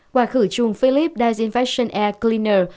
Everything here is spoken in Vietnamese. quả khử trùng philips dysinfection air cleaner